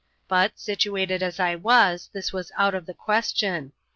But, situated as I was, bis was out of the question.